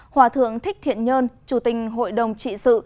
hòa thượng thích thiện nhân chủ tình hội đồng trị sự